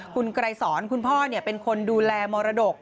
คุณไกรสอนคุณพ่อเป็นคนดูแลมรดก